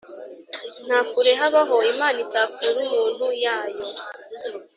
ntakure habaho imana itakura umuntu yayo